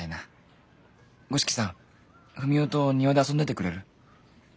五色さんふみおと庭で遊んでてくれる？